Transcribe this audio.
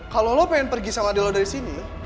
kalau lo pengen pergi sama adil lo dari sini